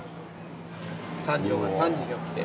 三女が３時に起きて。